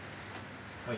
はい。